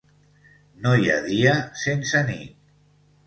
No hi ha dia sense nit.